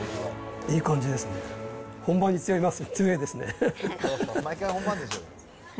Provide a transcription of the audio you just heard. いい感じですね。